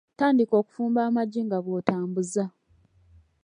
Tandika okufumba amagi nga bw'otambuza.